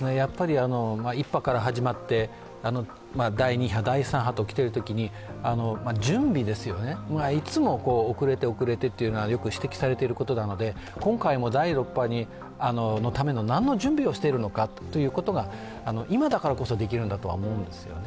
１波から始まって第２波、第３波と来ているときに準備がいつも遅れて、遅れてというのはよく指摘されていることなので、今回も第６波のための何の準備をしているのかということが、今だからこそできるんだとは思うんですね。